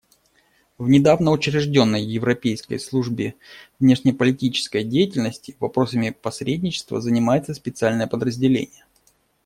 В недавно учрежденной Европейской службе внешнеполитической деятельности вопросами посредничества занимается специальное подразделение.